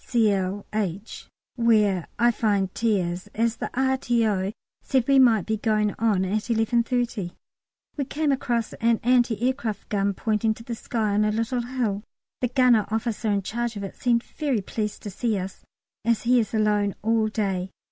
Cl. H. (where I find T. is), as the R.T.O. said we might be going on at 11.30. We came across an anti aircraft gun pointing to the sky, on a little hill. The gunner officer in charge of it seemed very pleased to see us, as he is alone all day.